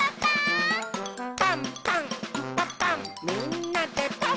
「パンパンんパパンみんなでパン！」